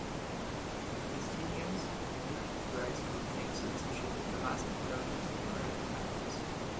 Palestinians do not have rights to obtain citizenship in the vast majority of Arab countries.